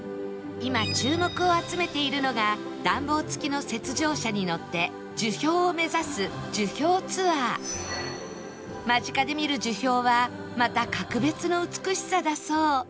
今注目を集めているのが暖房付きの雪上車に乗って樹氷を目指す樹氷ツアー間近で見る樹氷はまた格別の美しさだそう